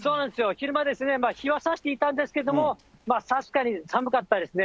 昼間、日はさしていたんですけれども、確かに寒かったですね。